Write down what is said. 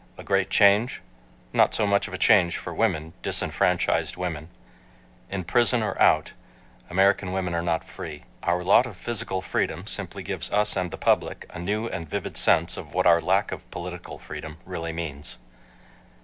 A great change? Not so much of a change for women, disfranchised women. In prison or out, American women are not free. Our lot of physical freedom simply gives us and the public a new and vivid sense of what our lack of political freedom really means.